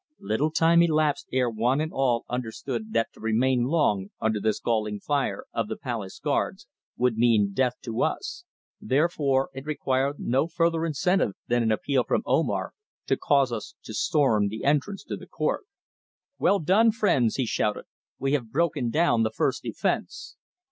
Little time elapsed ere one and all understood that to remain long under this galling fire of the palace guards would mean death to us, therefore it required no further incentive than an appeal from Omar to cause us to storm the entrance to the court. "Well done, friends," he shouted. "We have broken down the first defence.